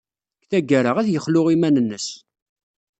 Deg tgara, ad yexlu iman-nnes.